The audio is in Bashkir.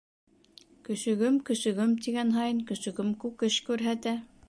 «Көсөгөм, көсөгөм» тигән һайын көсөгөм күкеш күрһәтә.